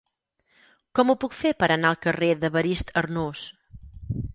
Com ho puc fer per anar al carrer d'Evarist Arnús?